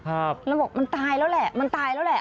เราบอกมันตายแล้วแหละมันตายแล้วแหละ